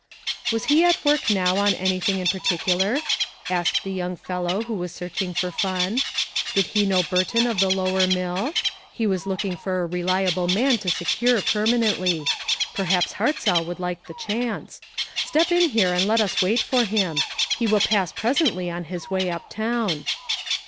"Was he at work now on anything in particular ?" asked the young fellow who was searching for fun. "Did he know Bur ton of the lower mill? He was looking for a reliable man to secure permanently. Per haps Hartzell would like the chance. Step in here and let us wait for him. He will pass presently on his way up town."